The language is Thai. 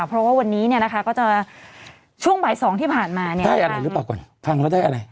เพราะว่าวันนี้เนี่ยนะคะก็จะช่วงบ่ายสองที่ผ่านมาเนี่ยได้อะไรหรือเปล่าก่อนพังแล้วได้อะไร